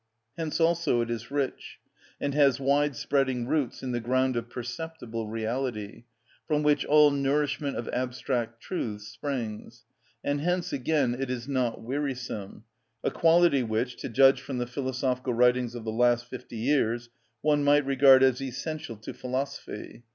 Hence also it is rich, and has wide spreading roots in the ground of perceptible reality, from which all nourishment of abstract truths springs; and hence, again, it is not wearisome—a quality which, to judge from the philosophical writings of the last fifty years, one might regard as essential to philosophy.